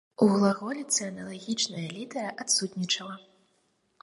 У глаголіцы аналагічная літара адсутнічала.